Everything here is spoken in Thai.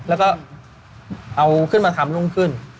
แล้วก็เอาขึ้นมาทำรุ่งขึ้น